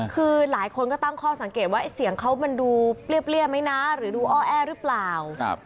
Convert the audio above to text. คือหลายคนก็ตั้งข้อสังเกตว่าเสียงเขามันดูเปรี้ยไหมนะหรือดูอ้อแอหรือเปล่า